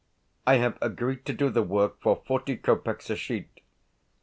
I have agreed to do the work for forty kopecks a sheet.